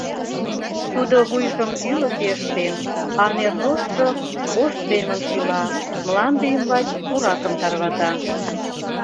Тудо вуйжым ӱлыкӧ ыштен, а неррожшо пош семын шӱла, мланде ӱмбач пуракым тарвата.